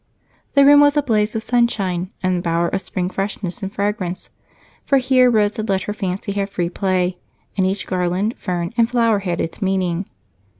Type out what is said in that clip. The room was a blaze of sunshine and a bower of spring freshness and fragrance, for here Rose had let her fancy have free play, and each garland, fern, and flower had its meaning.